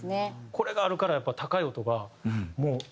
これがあるからやっぱり高い音がもう。